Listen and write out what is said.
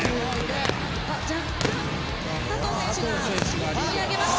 若干佐藤選手が追い上げました。